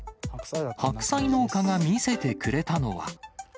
白菜農家が見せてくれたのは。